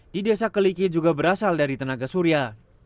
di desa keliki juga berasal dari tenaga surya